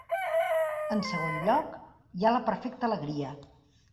En segon lloc, hi ha la perfecta alegria.